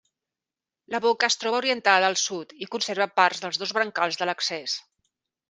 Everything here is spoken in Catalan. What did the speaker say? La boca es troba orientada al sud i conserva parts dels dos brancals de l'accés.